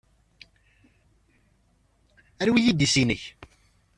Anwa ay d idis-nnek?